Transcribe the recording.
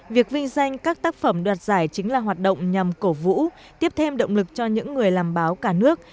việc vinh danh các tác phẩm đoạt giải chính là hoạt động nhằm cổ vũ tiếp thêm động lực cho những người làm báo cả nước